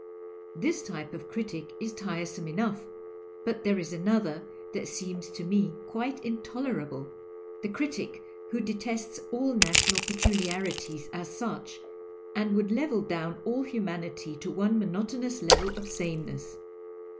Tliis type of critic is tiresome enough ; but there is another that seems to me quite intolerable, the critic who detests all national peculiarities as sucli, and would level down all humanity to one monotonous level of sameness.